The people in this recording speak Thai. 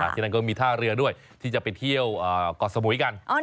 ที่นั่นก็มีท่าเรือด้วยที่จะไปเที่ยวเกาะสมุยกัน